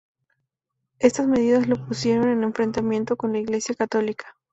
Estas medidas los pusieron en enfrentamiento con la iglesia católica.